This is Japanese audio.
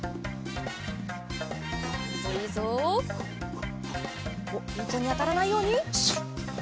いとにあたらないように。